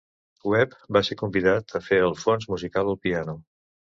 Webb va ser convidat a fer el fons musical al piano.